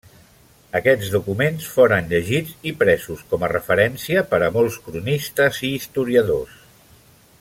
Aquests documents foren llegits i presos com a referència per a molts cronistes i historiadors.